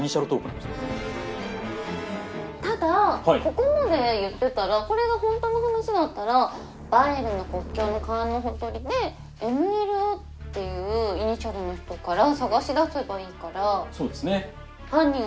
ただここまで言ってたらこれがホントの話だったらバイエルンの国境の川のほとりでＭ．Ｌ．Ｏ．っていうイニシャルの人から捜し出せばいいから。